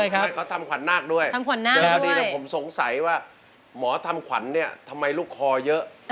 เจ้าดีนะผมสงสัยว่าหมอทำขวัญเนี่ยทำไมลูกคอเยอะ